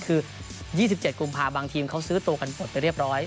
คือ๒๗กุมภาคบางทีมเขาซื้อตัวกันหมดไปเรียบร้อย